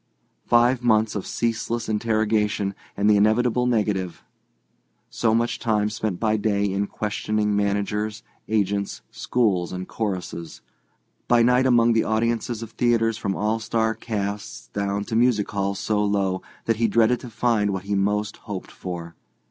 Five months of ceaseless interrogation and the inevitable negative. So much time spent by day in questioning managers, agents, schools and choruses; by night among the audiences of theatres from all star casts down to music halls so low that he dreaded to find what he most hoped for.